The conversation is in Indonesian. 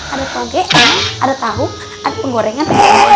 ada toge ada tahu ada penggorengan